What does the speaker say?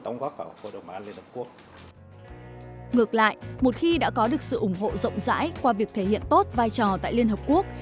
ngược lại một khi đã có được sự ủng hộ rộng rãi qua việc thể hiện tốt vai trò tại liên hợp quốc